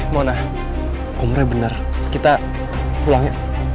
mona om re bener kita pulang ya